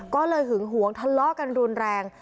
ก็เลยหึงหวงทะเลาะกันรุนแรง